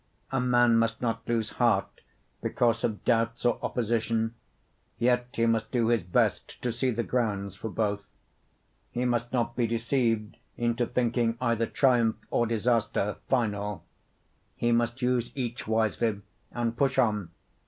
A man must not lose heart because of doubts or opposition, yet he must do his best to see the grounds for both. He must not be deceived into thinking either triumph or disaster final; he must use each wisely and push on.